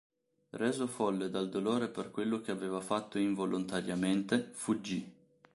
Reso folle dal dolore per quello che aveva fatto involontariamente, fuggì.